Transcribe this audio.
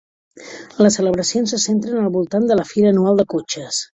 Les celebracions se centren al voltant de la fira anual de cotxes.